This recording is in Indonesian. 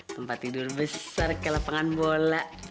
tempat tidur besar ke lapangan bola